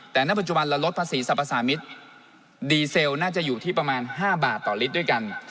แต่ณปัจจุบันเราลดภาษีสรรพสามิตรดีเซลน่าจะอยู่ที่ประมาณ๕บาทต่อลิตรด้วยกัน